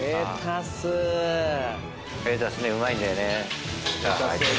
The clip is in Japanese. レタスねうまいんだよね。